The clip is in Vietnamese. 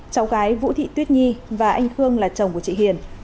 cháu gái vũ thị tuyết nhi và anh khương là chồng của chị hiền